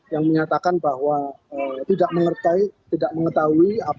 yang menyatakan bahwa tidak mengetahui